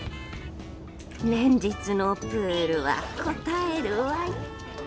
連日のプールはこたえるわい。